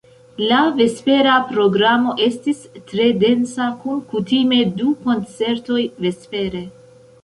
La vespera programo estis tre densa kun kutime du koncertoj vespere.